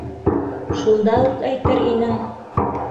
Шунда уҡ әйтер инең.